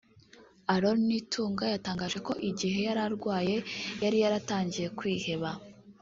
Aaron Nitunga yatangaje ko igihe yari arwaye yari yatangiye kwiheba